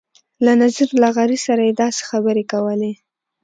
له نذیر لغاري سره یې داسې خبرې کولې.